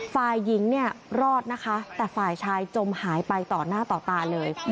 ฝ่ายหญิงเนี่ยรอดนะคะแต่ฝ่ายชายจมหายไปต่อหน้าต่อตาเลย